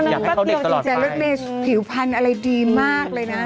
อยากให้เขาเด็กตลอดไปอ๋อแล้วก็เดี๋ยวจริงแล้วพี่บุญแมนผิวพันธุ์อะไรดีมากเลยนะ